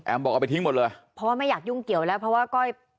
บอกเอาไปทิ้งหมดเลยเพราะว่าไม่อยากยุ่งเกี่ยวแล้วเพราะว่าก้อย